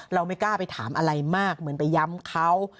ไม่กล้าไปถามอะไรมากเหมือนไปย้ำเขา